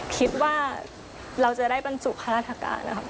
คิดว่าเราจะได้บรรจุข้าราชการนะครับ